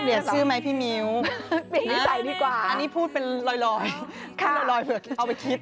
ชื่อไหมพี่มิ้วเปลี่ยนนิสัยดีกว่าอันนี้พูดเป็นลอยพูดลอยเผื่อเอาไปคิด